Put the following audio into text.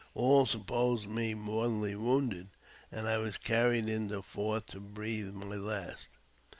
All sup posed me mortally wounded, and I was carried into the fort to breathe my last.